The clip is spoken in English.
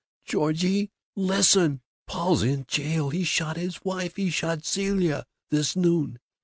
"Georgie! Listen! Paul's in jail. He shot his wife, he shot Zilla, this noon.